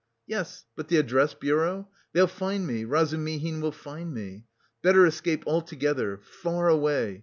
Yes, but the address bureau? They'll find me, Razumihin will find me. Better escape altogether... far away...